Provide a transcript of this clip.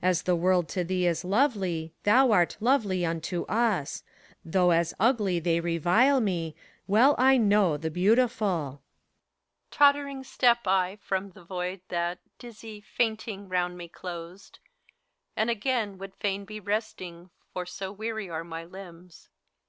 As the world to thee is lovely, thou art lovely unto us ; Though as ugly they revile me, well I know the Beautiful. HELENA. Tottering step I from the Void that — dizzy, fainting, — round me closed; And again would fain be resting, for so weary are my limbs.